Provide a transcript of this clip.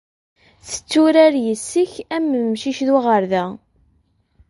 Tetturar yes-k am wemcic d uɣerda.